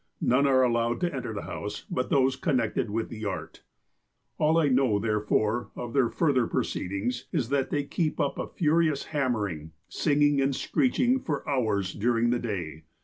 None are allowed to enter the house but those connected with the art. "All I know, therefore, of their further proceedings, is that they keep up a furious hammering, singing and screeching for hours during the day.